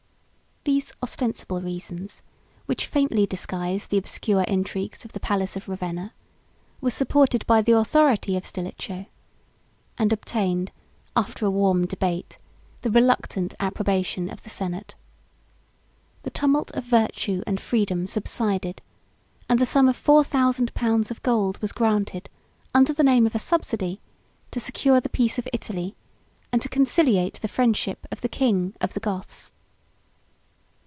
These ostensible reasons, which faintly disguise the obscure intrigues of the palace of Ravenna, were supported by the authority of Stilicho; and obtained, after a warm debate, the reluctant approbation of the senate. The tumult of virtue and freedom subsided; and the sum of four thousand pounds of gold was granted, under the name of a subsidy, to secure the peace of Italy, and to conciliate the friendship of the king of the Goths.